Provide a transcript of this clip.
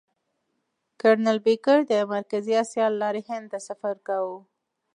کرنل بېکر د مرکزي اسیا له لارې هند ته سفر کاوه.